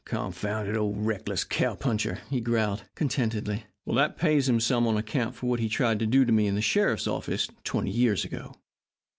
"Confounded old reckless cowpuncher!" he growled, contentedly, "that pays him some on account for what he tried to do for me in the sheriff's office twenty years ago."